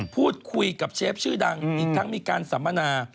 พูดคุยกับเชฟชื่อดังอีกทั้งมีการสัมมนา